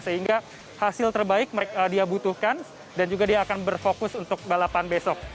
sehingga hasil terbaik dia butuhkan dan juga dia akan berfokus untuk balapan besok